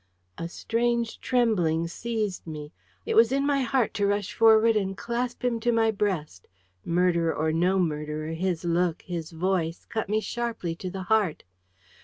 A strange trembling seized me. It was in my heart to rush forward and clasp him to my breast. Murderer or no murderer, his look, his voice, cut me sharply to the heart.